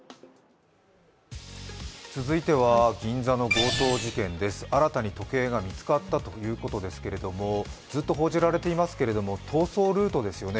続いては銀座の強盗事件です新たに時計が見つかったということですけれども、ずっと報じられていますけれども、逃走ルートですよね。